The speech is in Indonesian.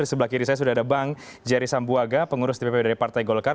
di sebelah kiri saya sudah ada bang jerry sambuaga pengurus dpp dari partai golkar